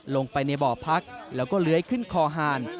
ลงไปในบ่อพักแล้วก็เลื้อยขึ้นคอหาร